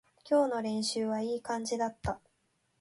今日の練習はいい感じだった